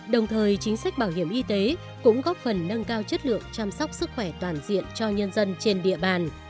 đồng thời chính sách bảo hiểm y tế cũng góp phần nâng cao chất lượng chăm sóc sức khỏe toàn diện cho nhân dân trên địa bàn